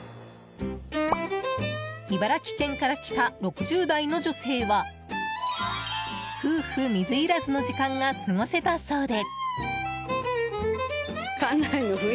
茨城県から来た６０代の女性は夫婦水入らずの時間が過ごせたそうで。